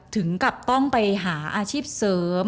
ถึงกับต้องไปหาอาชีพเสริม